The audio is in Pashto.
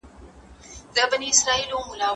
که په ټولنه کې سوله وي، نو ویر نه وي.